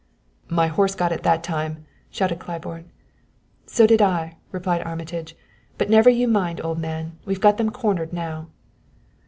"My horse got it that time!" shouted Claiborne. "So did I," replied Armitage; "but never you mind, old man, we've got them cornered now."